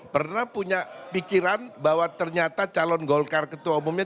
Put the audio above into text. pernah punya pikiran bahwa ternyata calon golkar ketua umumnya